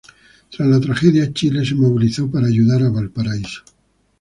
Tras la tragedia, Chile se movilizó para ayudar a Valparaíso.